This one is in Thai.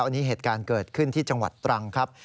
อันนี้เหตุการณ์เกิดขึ้นที่จังหวัดตรังครับ